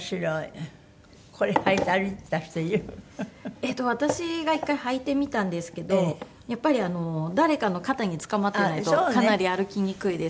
えっと私が１回履いてみたんですけどやっぱり誰かの肩につかまってないとかなり歩きにくいです。